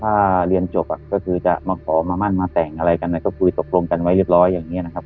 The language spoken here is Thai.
ถ้าเรียนจบก็คือจะมาขอมามั่นมาแต่งอะไรกันก็คุยตกลงกันไว้เรียบร้อยอย่างนี้นะครับ